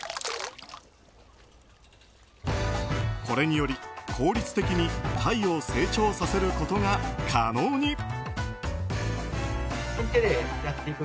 これにより効率的にタイを成長させることが可能に。